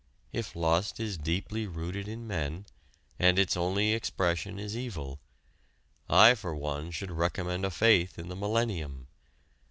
If lust is deeply rooted in men and its only expression is evil, I for one should recommend a faith in the millennium.